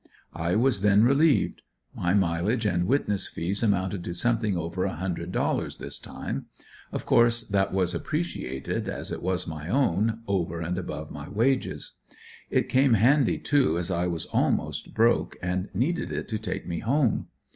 I was then relieved. My mileage and witness fees amounted to something over a hundred dollars, this time. Of course that was appreciated as it was my own, over and above my wages. It came handy too as I was almost broke and needed it to take me home.